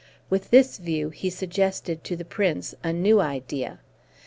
With this view he suggested to the prince a new idea.